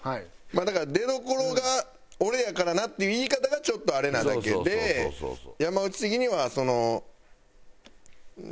だから「出どころが俺やからな」っていう言い方がちょっとあれなだけで山内的には。